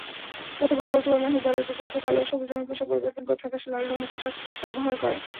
প্রত্যেক বছরের অক্টোবর মাসে দলের প্রচলিত কালো ও সবুজ রঙের পোশাক পরিবর্তন করে ফ্যাকাশে লাল রঙের পোশাক ব্যবহার করে।